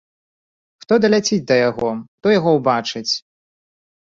Хто даляціць да яго, хто яго ўбачыць?